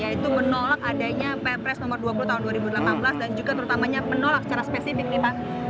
yaitu menolak adanya ppres nomor dua puluh tahun dua ribu delapan belas dan juga terutamanya menolak secara spesifik nih pak